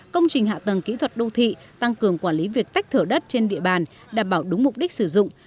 công trình hạ tầng kỹ thuật đô thị tăng cường quản lý việc tách thửa đất trên địa bàn đảm bảo đúng mục đích sử dụng